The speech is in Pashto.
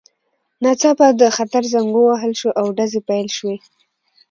ناڅاپه د خطر زنګ ووهل شو او ډزې پیل شوې